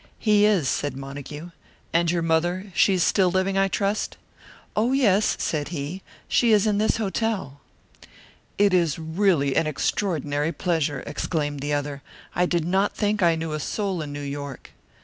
"He is," said Montague. "And your mother? She is still living, I trust?" "Oh, yes," said he. "She is in this hotel." "It is really an extraordinary pleasure!" exclaimed the other. "I did not think I knew a soul in New York."